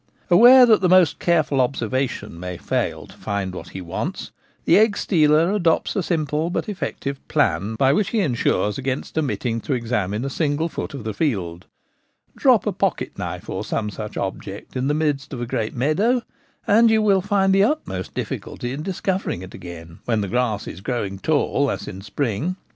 Aware that the most careful observation may fail to find what he wants, the egg stealer adopts a simple but effective plan by which he ensures against omit ting to examine a single foot of the field. Drop a M 1 62 The Gamekeeper at Home. pocket knife or some such object in the midst of a great meadow, and you will find the utmost difficulty in discovering it again, when the grass is growing tall as in spring.